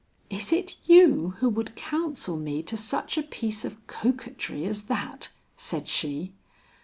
"Is it you who would counsel me to such a piece of coquetry as that?" said she.